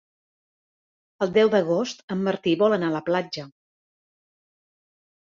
El deu d'agost en Martí vol anar a la platja.